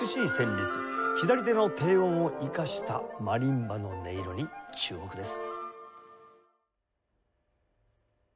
左手の低音を生かしたマリンバの音色に注目です。